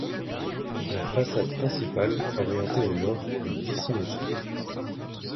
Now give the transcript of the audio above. La façade principale, orientée au nord, est dissymétrique.